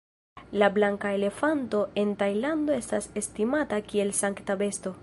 La blanka elefanto en Tajlando estas estimata kiel sankta besto.